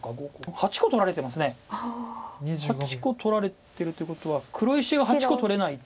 ８個取られてるということは黒石が８個取れないと。